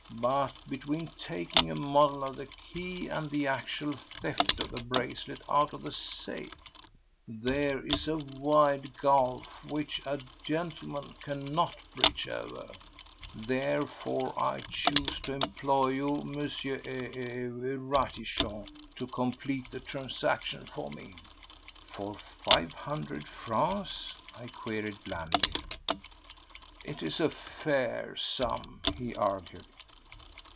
But between taking a model of the key and the actual theft of the bracelet out of the safe there is a wide gulf which a gentleman cannot bridge over. Therefore, I choose to employ you, M.—er—er—Ratichon, to complete the transaction for me." "For five hundred francs?" I queried blandly. "It is a fair sum," he argued.